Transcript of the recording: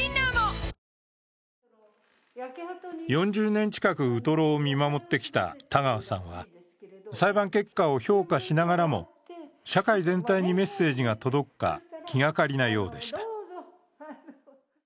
４０年近くウトロを見守ってきた田川さんは、裁判結果を評価しながらも社会全体にメッセージが届くか気がかりなようでした。